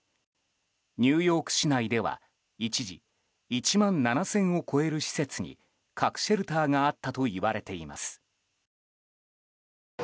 ニューヨーク市内では、一時１万７０００を超える施設に核シェルターがあったと言われています。